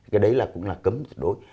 cái đấy là cũng là cấm đối